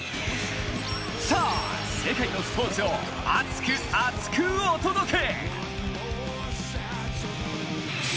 さあ、世界のスポーツを熱く厚くお届け！